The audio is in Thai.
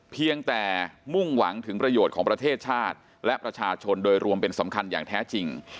เพียงแต่มุ่งหวังถึงประโยชน์ของประเทศชาติและประชาชนโดยรวมเป็นสำคัญอย่างแท้จริง